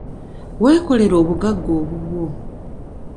Weekolere obugagga obubwo.